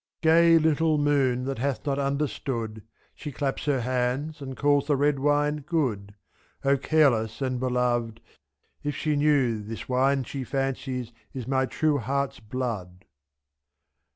41 Gay little moon, that hath not understood! She claps her hands , and calls the red wine good ; ^^'O careless and beloved, if she knew This wine she fancies is my true heart's blood.